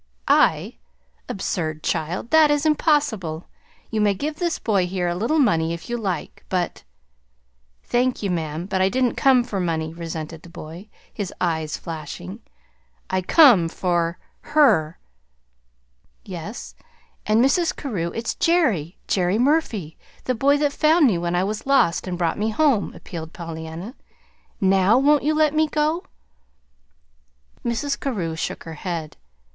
"I? Absurd, child! That is impossible. You may give this boy here a little money, if you like, but " "Thank ye, ma'am, but I didn't come for money," resented the boy, his eyes flashing. "I come for her." "Yes, and Mrs. Carew, it's Jerry Jerry Murphy, the boy that found me when I was lost, and brought me home," appealed Pollyanna. "NOW won't you let me go?" Mrs. Carew shook her head.